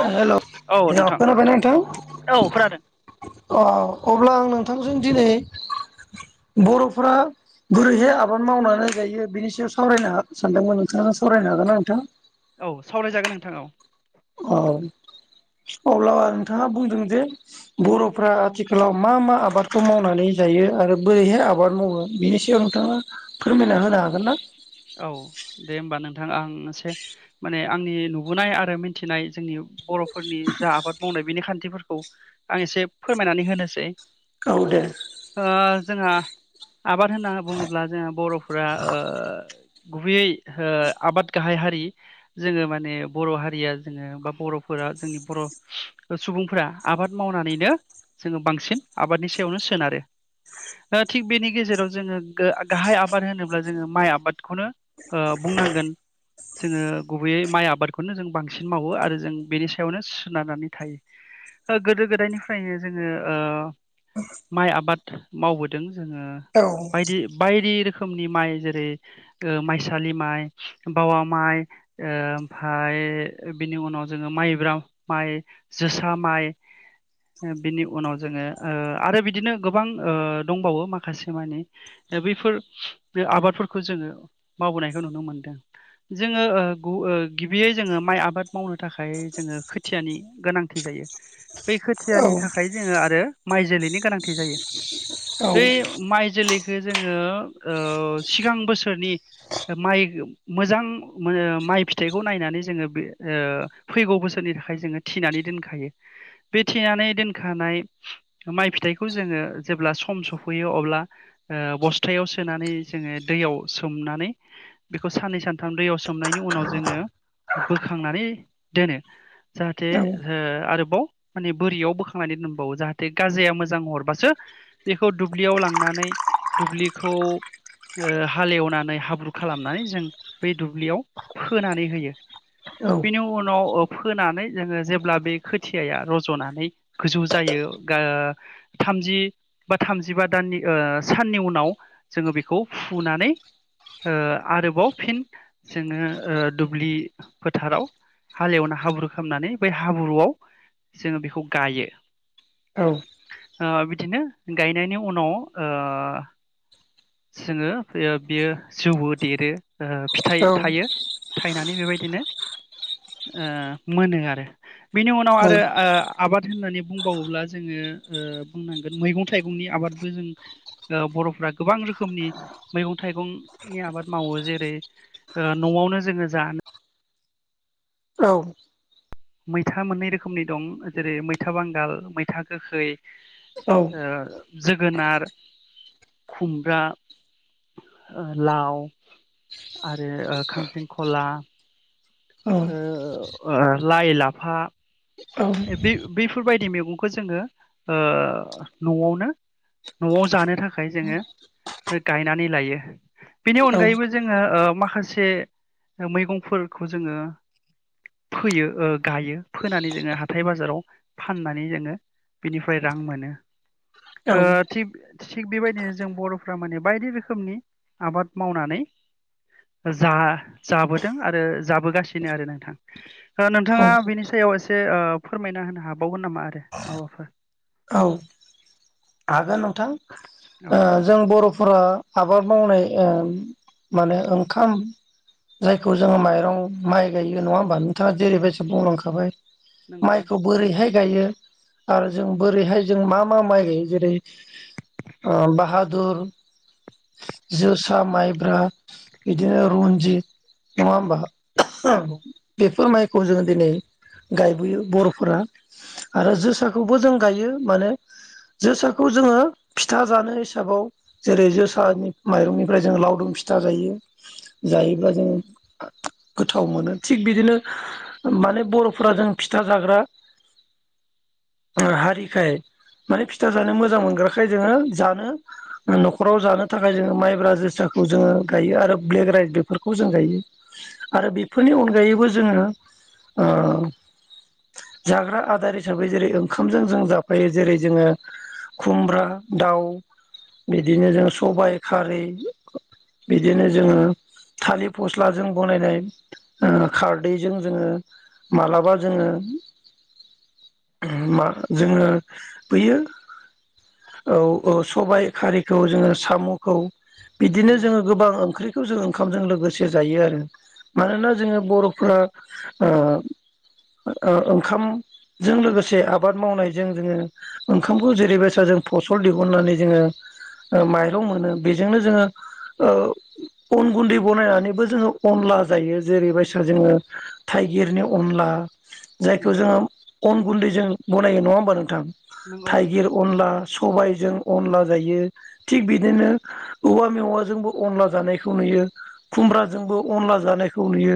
औ हेलौ औ नोंथां खोनाबायना औ नोंथां‌? खोनादों अ अब्ला आं नोंथांजों दिनै बर'फ्रा गुरैहाय आबाद मावनानै जायो बिनि सायाव सावरायनो सानदोंमोन नोंथाङा सावरायनो हागोन ना नोंथां? औ सावरायजागोन नोंथांऔ। औ अब्ला नोंथाङा बुंदों जे बर'फ्रा आथिखालाव मा मा आबादखौ मावनानै जायो, आरो बोरैहाय आबाद मावो बेनि सायाव नोंथाङा फोरमायना होनो हागोन ना? औ दे होमबा नोंथां आं एसे माने आंनि नुबोनाय आरो मिथिनाय जोंनि बर'फोरनि जा आबाद मावनाय बिनि खान्थिफोरखौ आं एसे फोरमायनानै होनोसै। गाव दे ओ जोंहा। आबाद होनना बुङोब्ला जोंहा बरफोरा। गुबैयै आबाद गाहाय हारि जोङो माने बर हारिया जोङो बा बरफोरा जोंनि बर सुबुंफोरा आबाद मावनानैनो जोङो बांसिन आबादनि सायावनो सोनारो थिग बेनि गेजेराव जोङो गाहाय आबाद होनोब्ला जोङो माइ आबाद खौनो बुंनांगोन जोङो गुबैयै माइ आबादखौनो जों बांसिन मावो आरो जों बेनि सायावनो सोनारनानै थायो गोदो गोदायनिफ्रायनो जोङो ओ माइ आबाद मावबोदों। ओ बायदि बायदि रो रोखोमनि माइ जेरै माइसालि माइ बावा माइ ओमफ्राय बिनि उनाव जोङो माइब्रा माइ जोसा माइ बिनि उनाव जोङो आरो बिदिनो गोबां दंबावो माखासे मानि बैफोर आबादफोरखौ जोङो मावबोनायखौ नुनो मोनदों जोङो गिबियै जोङो माइ आबाद मावनो थाखाय जोङो खोथियानि गोनांथि जायो। बै औ खोथियानि थाखाय जोङो आरो माइ जोलैनि गोनांथि जायो औ बै माइ जोलै बे जोङो ओ सिगां बोसोरनि माइ मोजां माइ फिथाइखौ नायनानै जोङो बे फैगौ बोसोरनि थाखाय जोङो थिनानै दोनखायो बे थिनानै दोनखानाय माइ फिथाइखौ जोङो जेब्ला सम सफैयो अब्ला बस्थायाव सोनानै जोङो दैयाव सोम सोमनानै बेखौ साननै सानथाम दैयाव सोमनायनि उनाव जोङो बोखांनानै दोनो जाहाथे औ आरोबाव माने बोरियाव बोखांनानै दोनबावो जाहाथे गाजाया मोजां हरबासो बेखौ दुब्लियाव लांनानै दुब्लिखौ हालेव नानै हाब्रु खालामनानै जों बे दुब्लियाव फोनानै होयो औ बेनि उनाव फोनानै जोङो जेब्ला बे खोथियाया रज'नानै गोजौ जायो थामजि बा थामजिबा दाननि साननि उनाव जोङो बेखौ फुनानै ओ आरोबाव फिन जोङो दुब्लि फोथाराव हालेवना हाब्रु खालामनानै बै हाब्रुआव जोङो बेखौ गायो औ बिदिनो गायनायनि उनाव ओ जोङो बियो जौबो देरो फिथाइ थायो। थायनानै बेबायदिनो ओ मोनो आरो बिनि उनाव आरो ओ आबाद होननानै बुंबावोब्ला जोङो बुंनांगोन मैगं थाइगंनि आबादबो जों बरफ्रा गोबां रोखोमनि मैगं थाइगं नि आबाद मावो जेरै नआवनो जोङो जा औ मैथा मोननै रोखोमनि दं जेरै मैथा बांगाल मैथा गोखै जोगोनार खुमब्रा लाव आरो खांखेंखला ओ लाइ लाफा बे बैफोरबायदि मैगंखौ जोङो नआवनो नआव जानो थाखाय जोङो गायनानै लायो बेनि औ अनगायैबो जोङो माखासे मैगंफोरखौ जोङो फोयो गायो फोनानै जोङो हाल हाथाय बाजाराव फाननानै जोङो बिनिफ्राय रां मोनो। ओ औ थिब थिग बेबायदिनो जों बर'फ्रा माने बायदि रोखोमनि आबाद मावनानै जा जाबोदों आरो जाबोगासिनो आरो नोंथां नोंथाङा बिनि सायाव एसे ओ फोरमायना होनो हाबावगोन नामा आरो माबाफोर? औ हागोन नोंथां औ ओ जों बर' फुरा आबाद मावनाय माने ओंखाम जायखौ जोङो माइरं माइ गायो नङा होमबा नोंथाङा जेरैबायदि बुंलांखाबाय नंगौ माइखौ बोरैहाय गायो आरो जों बोरैहाय जों मा मा माइ गायो जेरै बाहादुर, जोसा, माइब्रा बिदिनो रन्जित नङा होमबा नंगौ बेफोर माय खौ जोङो दिनै गायबोयो बरफोरा आरो जोसाखौबो जों जियो माने जोसाखौ जोङो फिथा जानो हिसाबाव जेरै जोसानि माइरंनिफ्राय जों लावदुम फिथा जायो जायोब्लाा जोङो गोथाव मोनो थिग बिदिनो माने बरफोरा जों फिथा जाग्रा हारिखाय माने फिथा जानो मोजां मोनग्राखाय जोङो जानो नखराव जानो थाखाय जोङो माइब्रा जोसाखौ जोङो गायो आरो ब्लेक राइस बेफोरखौ जों गायो आरो बेफोरनि अनगायैबो जोङो ओ जाग्रा आदार हिसाबै जेरै ओंखामजों जों जाफायो जेरै जोङो खुमब्रा दाउ बिदिनो जों सबायाइ खारै बिदिनो जोङो थालिर फस्लाजों बनायनाय खारदैजों जोङो मालाबा जोङो माने मा सोरबा जोङो बैयो औ औ सबाय खारिखौ जोङो साम'खौ बिदिनो नंगौ जोङो गोबां ओंख्रिखौ जोंङो ओंखा [unintelligible] जों लोगोसे जायो आरो मानोना जोङो बर'फोरा ओ ओ ओंखामजों लोगोसे आबाद मावनायजों जोङो ओंखामखौ जेरैबायसा जों फसल दिहुननानै जोङो ओ माइरं मोनो बेजोंनो जोङो ओ अन गुन्दै बनायनानैबो जोङो अनला जायो जेरैबायसा जोङो थाइगिरनि अनला, जायखौ नंगौ जोङो अन गुन्दैजों बनायो नङा होनबा नोंथां? नंगौ नंगौ थाइगिर अनला, सबायजों अनला जायो थिग बिदिनो औवा मेवाजोंबो अनला जानायखौ नुयो खुमब्राजोंबो अनला जानायखौ नुयो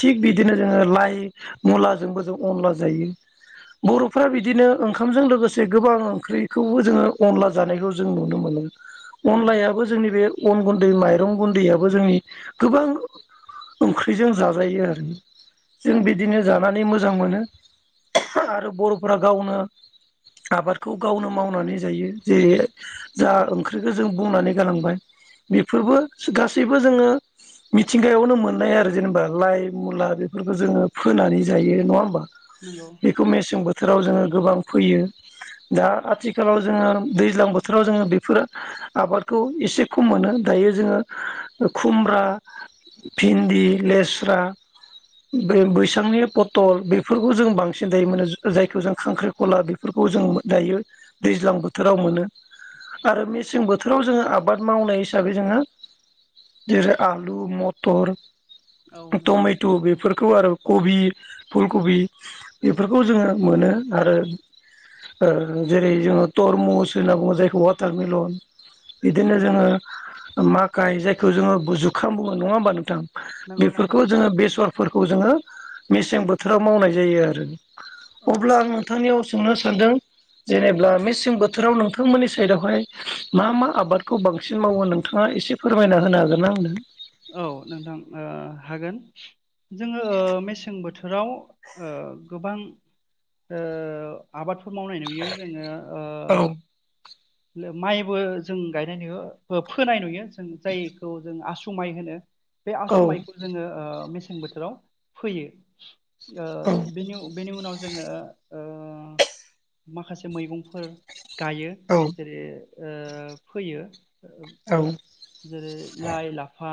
थिग बिदिनो जोङो लाइ मुलाजोंबो जों अनला जायो। बर'फ्रा बिदिनो ओंखामजों लोगोसे गोबां ओंख्रिखौबो जोङो अनला जानायखौ जों नुनो मोनो। नंगौ अनलायाबो जोंनि बे अन गुन्दै माइरं गुन्दैयाबो जोंनि गोबां ओंख्रिजों जाजायो आरो जों बिदिनो जानानै मोजां मोनो। आरो बर'फोरा गावनो आबादखौ गावनो मावनानै जायो जेरै जा ओंख्रिखौ जों बुंनानै गालांबाय बेफोरबो गासैबो जोङो मिथिंगायावनो मोननाय आरो जेनेबा लाइ, मुला बेफोरखौ जोङो फोनानै जायो नङा होमबा? नंगौ। बेखौ मेसें बोथोराव जोङो गोबां फैयो दा आथिखालाव जोङो दैज्लां बोथोराव जोङो बेफोरो आबादखौ एसे खम मोनो दायो जोङो खुमब्रा, भिन्दि, लेस्रा, बै-बैसांनि पथल बेफोरखौ जों बांसिन दायो मोनो जा-जायखौ जों खांख्रिखला बेफोरखौ जों दायो दैज्लां बोथोराव मोनो आरो मेसें बोथोराव जोङो आबाद मावनाय हिसाबै जोङो जेरै आलु, मथर, औ नंगौ टमेट', बेफोरखौ आरो कबि, फुलकबि, बेफोरखौ जोङो मोनो आरो ओ जेरै जोङो तरमुस होनना बुङो जायखौ वाटारमेलन बिदिनो नंगौ जोङो मा काय जाय जोङो बु जुखाम बुङो नङा होमबा नोंथां? नंगौ नंगौ बेफोरखौ जोङो बेसरफोरखौ जोङो मेसें बोथोराव मावनाय जायो आरो। औ अब्ला आं नोंथांनियाव सोंनो सानदों जेनेबा मेसें बोथोराव नोंथांमोननि साइदावहाय मा मा आबादखौ बांसिन मावो नोंथाङा एसे फोरमायना होनो हागोन ना आंनो? औ नोंथां ओ हागोन जोङो ओ मेसें बोथोराव ओ गोबां ओ आबाद फोर मावनाय नुयो जोङो ओ औ लो माइबो जों गायनाय नुयो फो-फोनाय नुयो जों जायखौ जों आसु माइ होनो। बे आसु माइखौ औ जोङो ओ मेसें बोथोराव फोयो। ओ बेनि बेनि उनाव जोङो ओ माखासे मैगंफोर गायो औ जेरै ओ फोयो। ओ औ। जेरै लाइ, लाफा,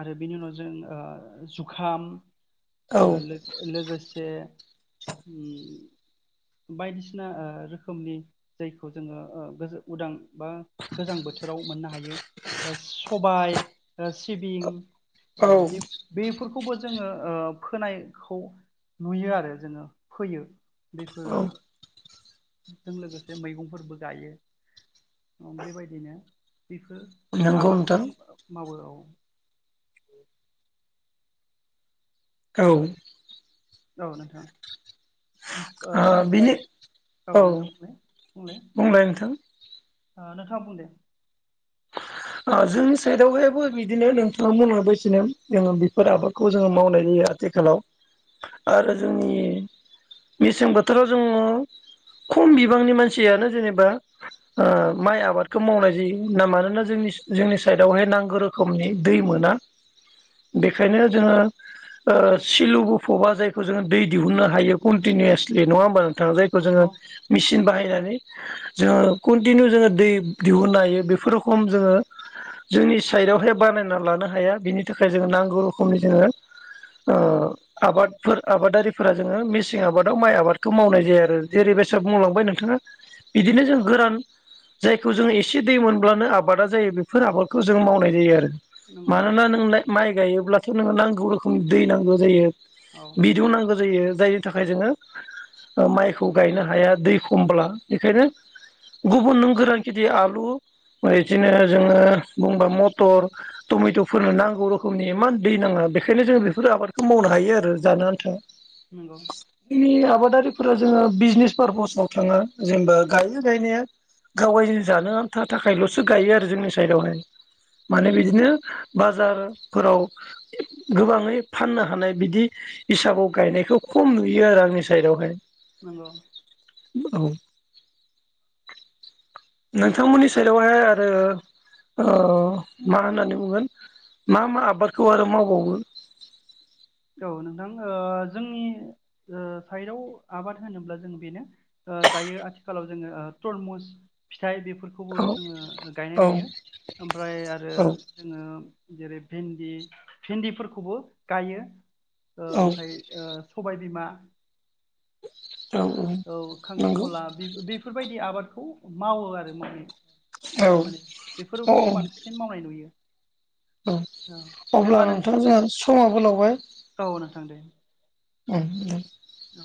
आरो बेनि उनाव जों ओ जुखाम ओ औ लोग लोगोसे से ओम बायदिसिना ओ रोखोमनि जायखौ जोङो ओ गोज उदां बा गोजां बोथोराव मोननो हायो ओ सबाय ओ सिबिं औ ओ बिब-बिब फोरखौबो जोङो ओ फोनायखौ नुयो आरो जोङो फोयो। बेफोरो औ जों लोगोसे मैगंफोरबो गाइयो। ओम बेबायदिनो। बेफोर नंगौ नोंथां आबादखौनो मावो औ। लांदां औ औ नोंथां। ओम ओ ओमफाय बिनि औ नोंथां बुंलाय बुंलाय। ओ नोंथाङा बुं दे। ओ जोंनि साइदावहायबो बिदिनो नोंथाङा बुंनायबायदिनो जोङो बेफोर आबादखौ जोङो मावनाय जायो आथिखालाव आरो जोंनि मेसें बोथोराव जोङो खम बिबांनि मानसियानो जेनेबा ओ माइ आबादखौ मावनाय जायो ना मानोना जोंनि जोंनि साइडआवहाय नांगौ रोखोमनि दै मोना बेखायनो जोङो ओ सिलु बुफबा जायखौ जोङो दै दिहुननो हायो कन्टिनिउवासलि नङा होमबा नों? ओ जायखौ जोङो नंगौ मिसिन बाहायनानै नै जोङो कन्टिनिउ जोङो दै दिहुननो हायो बेफोर रोखम जोङो जोंनि साइडआवहाय बानायना लानो हाया बिनि थाखाय जोङो नांगौ रोखोमनि जोङो ओ आबादफोर आबादारिफोरा जोङो मेसें आबादाव माइ आबादखौ मावनाय जाया आरो जेरै बायसा बुंलांबाय नोंथाङा बिदिनो जों गोरान जायखौ जोङो एसे दै मोनब्लानो आबादा जायो बे फोर आबादखौ जों मावनाय जायो आरो। नंगौ मानोना नों नाइ माइ गायोब्ला सोरनोबा नांगौ रोखोमनि दै नांगौ जायो। औ बिदुं नांगौ जायो। जायनि थाखाय जोङो ओ माइखौ गायनो हाया दै खमब्ला बेखायनो गुबुन नों गोरान खेथि आलु बायदिनो जोङो बुंबा मटर टमेटफोरनो नांगौ रोखोमनि इमान दै नाङा बेखायनो जोङो बेफोर आबादखौ मावनो हायो आरो जानो आन्था। नंगौ जोंनि आबादारि फोर जोङो बिजनेस पारपसाव थाङा जेनबा गायो गायनाया गाव गाय जानो आनथा थाखायल'सो गाइयो। जोंनि साइदावहाय माने बिदिनो बाजारफोराव गोबाङै फाननो हानाय बिदि हिसाबाव गायनायखौ खम नुयो आरो आंनि साइदावहाय। नंगौ औ। लांदां नोंथांमोननि साइदावहाय आरो ओ मा होननानै बुंगोन मा मा आबादखौ आरो मावबावो? औ नोंथां ओ जोंनि ओ साइडआव आबाद होनोब्ला जों बेनो ओ दायो आथिखालाव जोङो ओ तरमुस फिथाय बेफोरखौबो औ जोङो गायनाय औ नुयो ओमफ्राय आरो औ जोङो जेरै भिन्दि भिन्दिफोरखौबो गाइयो। ओ औ ओमफ्राय ओ सबाय बिमा। औ नंगौ खांख्रेंखला बेफोरबायदि आबादखौ मावो आरो माने औ माने औ बेफोरखौ बांसिन मावनाय नुयो औ दे अब्ला होमबा नों नोंथां जोंहा समाबो लावबाय औ नोंथां दे ओम ओम औ